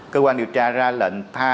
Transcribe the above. cơ quan điều tra ra lệnh thà